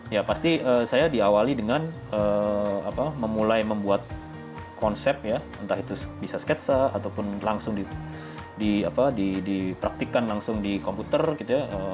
ya pasti saya diawali dengan memulai membuat konsep ya entah itu bisa sketsa ataupun langsung dipraktikkan langsung di komputer gitu ya